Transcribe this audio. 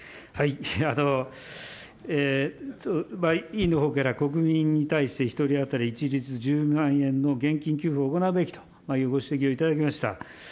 委員のほうから、国民に対して１人当たり一律１０万円の現金給付を行うべきというご指摘をいただきました。